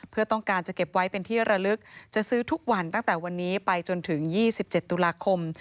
เพื่อต้องการจะเก็บไว้เป็นที่ระลึกจะซื้อทุกวันตั้งแต่วันนี้ไปจนถึง๒๗ตุลาคม